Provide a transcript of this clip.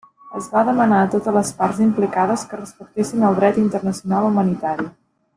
Es va demanar a totes les parts implicades que respectessin el dret internacional humanitari.